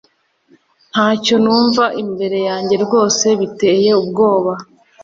Ntacyo numva imbere yanjye rwose Biteye ubwoba